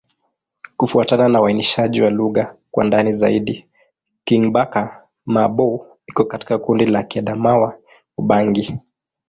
Kufuatana na uainishaji wa lugha kwa ndani zaidi, Kingbaka-Ma'bo iko katika kundi la Kiadamawa-Ubangi.